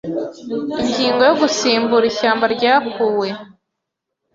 Ingingo ya Gusimbura ishyamba ryakuwe